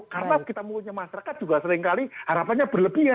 karena kita punya masyarakat juga seringkali harapannya berlebihan